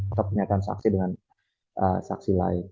atau pernyataan saksi dengan saksi lain